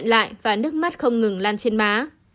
cô chạy lại và nước mắt không ngừng lan trên má